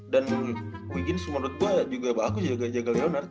dan biggins menurut gue juga aku juga jaga leonard